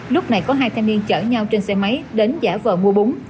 lúc này có hai thanh niên chở nhau trên xe máy đến giả vợ mua bún